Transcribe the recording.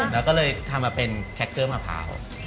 แล้วก็เลยทำมาเป็นแคคเกอร์มะพร้าว